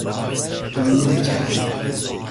امید کم